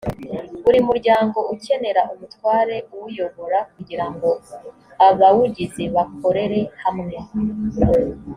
buri muryango ukenera umutware uwuyobora kugira ngo abawugize bakorere hamwe